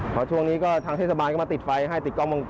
พอช่วงนี้ก็ทางเทศบาลก็มาติดไฟให้ติดกล้องวงจร